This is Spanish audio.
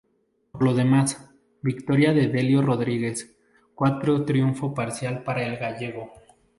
Por lo demás, victoria de Delio Rodríguez, cuatro triunfo parcial para el gallego.